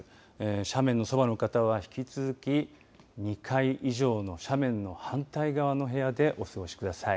斜面のそばの方は、引き続き２階以上の斜面の反対側の部屋でお過ごしください。